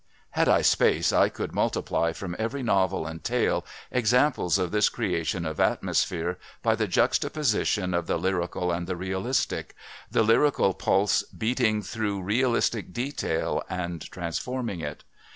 Had I space I could multiply from every novel and tale examples of this creation of atmosphere by the juxtaposition of the lyrical and the realistic the lyrical pulse beating through realistic detail and transforming it.